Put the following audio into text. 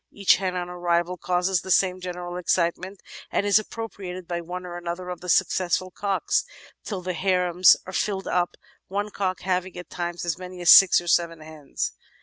Each hen on arrival causes the same general excitement and is appropriated by one or other of the successful cocks till the harems are filled up, one cock having at times as many as six or seven hens.